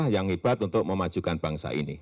yang hebat untuk memajukan bangsa ini